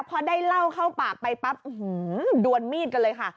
พอได้เหล้าเข้าปากไปปั๊บดวนมีดกันเลยค่ะ